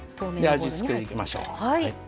味付けにいきましょう。